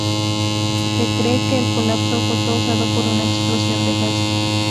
Se cree que el colapso fue causado por una explosión de gas.